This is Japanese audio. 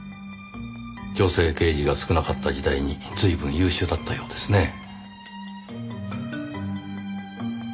女性刑事が少なかった時代に随分優秀だったようですねぇ。